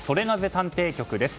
探偵局です。